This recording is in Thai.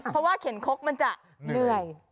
เพราะว่าเข็นคกมันจะเหนื่อย